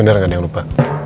bener gak ada yang lupa